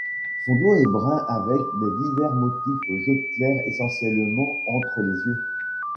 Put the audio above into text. Son dos est brun avec des divers motifs jaune clair essentiellement entre les yeux.